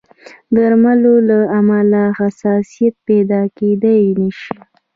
د درملو له امله حساسیت پیدا کېدای شي.